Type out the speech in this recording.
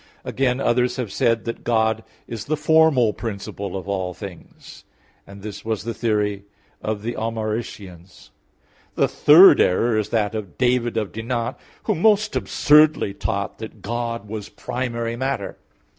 Again, others have said that God is the formal principle of all things; and this was the theory of the Almaricians. The third error is that of David of Dinant, who most absurdly taught that God was primary matter.